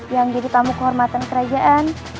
yang jadi tamu kehormatan kerajaan